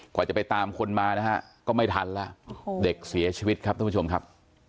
กว่าจะไปตามคนมานะฮะก็ไม่ทันแล้วเด็กเสียชีวิตครับท่านผู้ชมครับ